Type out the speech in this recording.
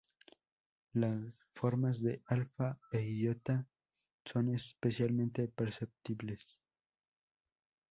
Las formas de "alfa" e "iota" son especialmente perceptibles.